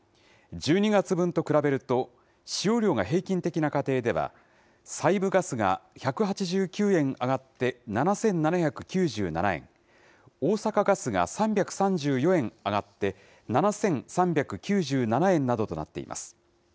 １２月分と比べると、使用量が平均的な家庭では、西部ガスが１８９円上がって７７９７円、大阪ガスが３３４円上がって７３９７円などとなっています。